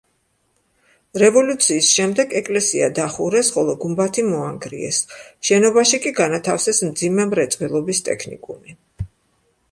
რევოლუციის შემდეგ ეკლესია დახურეს, ხოლო გუმბათი მოანგრიეს, შენობაში კი განათავსეს მძიმე მრეწველობის ტექნიკუმი.